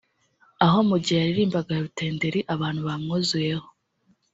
aho mu gihe yaririmbaga Rutenderi abantu bamwuzuyeho